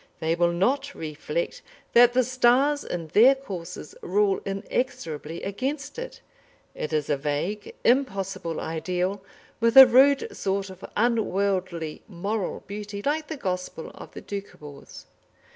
They will not reflect that the stars in their courses rule inexorably against it. It is a vague, impossible ideal, with a rude sort of unworldly moral beauty, like the gospel of the Doukhobors.